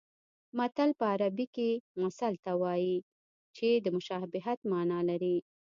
متل په عربي کې مثل ته وایي چې د مشابهت مانا لري